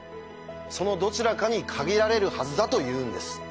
そのどちらかに限られるはずだというんです。